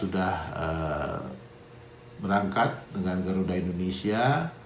sudah berangkat dengan garuda indonesia